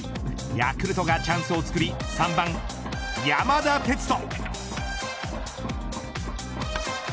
ヤクルトがチャンスをつくり３番、山田哲人。